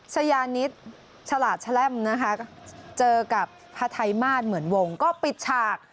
ชายานิดฉลาดแชล่มนะคะเจอกับฮาไทยมาสเหมือนวงก็ปิดฉาก